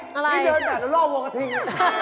นี่เดินแบบรอบวงกระทิง